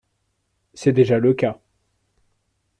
C’est déjà le cas.